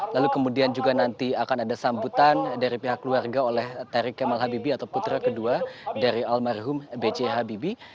lalu kemudian juga nanti akan ada sambutan dari pihak keluarga oleh tarik kemal habibi atau putra kedua dari almarhum b j habibi